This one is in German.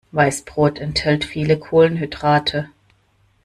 Weißbrot enthält viele Kohlenhydrate.